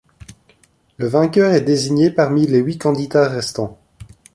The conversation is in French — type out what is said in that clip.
Le vainqueur est désigné parmi les huit candidats restants.